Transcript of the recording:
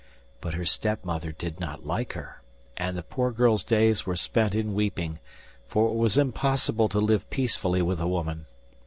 But her step mother did not like her, and the poor girl's days were spent in weeping; for it was impossible to live peacefully with the woman.